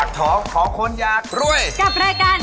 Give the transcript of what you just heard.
ขอคนอยากร่วยกับรายการ